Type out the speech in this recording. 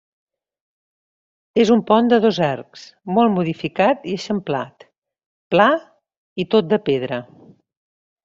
És un pont de dos arcs, molt modificat i eixamplat, pla i tot de pedra.